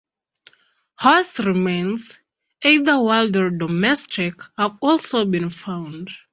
Horse remains, either wild or domestic, have also been found.